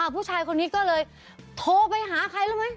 ผู้ชายคนนี้ก็เลยโทรไปหาใครรู้ไหม